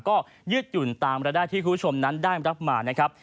ก็ยืดหยุ่นตามรายได้ที่คุณผู้ชมนั้นได้รับมานะครับ